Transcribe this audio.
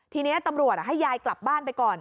ทีนี้ตำรวจให้ยายกลับบ้านไปก่อน